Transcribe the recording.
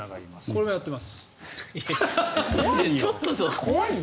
これもやってます。